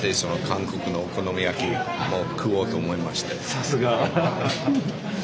さすが！